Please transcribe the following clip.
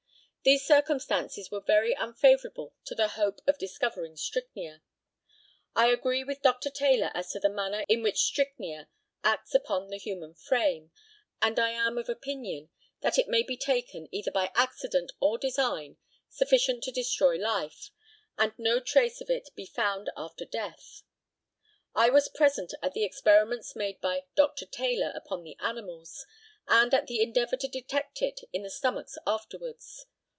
These circumstances were very unfavourable to the hope of discovering strychnia. I agree with Dr. Taylor as to the manner in which strychnia acts upon the human frame, and I am of opinion that it may be taken, either by accident or design, sufficient to destroy life, and no trace of it be found after death. I was present at the experiments made by Dr. Taylor upon the animals, and at the endeavour to detect it in the stomachs afterwards.